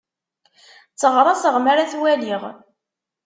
Tteɣraṣeɣ mi ara t-waliɣ.